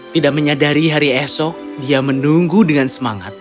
tidak menyadari hari esok dia menunggu dengan semangat